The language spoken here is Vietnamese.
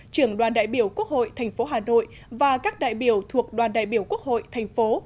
trưởng đoàn đại biểu quốc hội thành phố hà nội và các đại biểu thuộc đoàn đại biểu quốc hội thành phố